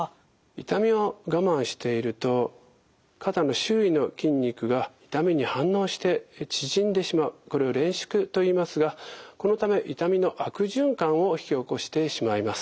痛みを我慢していると肩の周囲の筋肉が痛みに反応して縮んでしまうこれをれん縮といいますがこのため痛みの悪循環を引き起こしてしまいます。